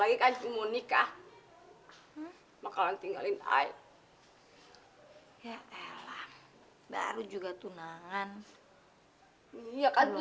tapi kami nanti kalau sampai terjadi apa apa sama kamu